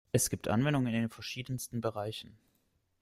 Es gibt Anwendungen in den verschiedensten Bereichen.